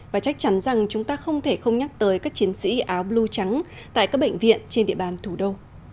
và chắc chắn rằng chúng ta không thể không nhắc tới các chiến sĩ áo blue trắng tại các bệnh viện trên địa bàn thủ đô